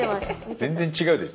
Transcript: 全然違うでしょ。